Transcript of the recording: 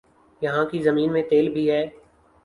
یہاں کی زمین میں تیل بھی ہے